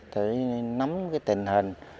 để nắm cái tình hình